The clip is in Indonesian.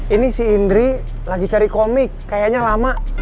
ini si indri lagi cari komik kayaknya lama